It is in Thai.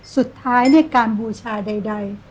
สุดท้ายในการบูชาใด